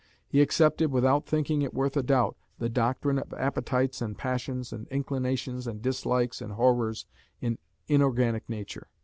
He accepted, without thinking it worth a doubt, the doctrine of appetites and passions and inclinations and dislikes and horrors in inorganic nature.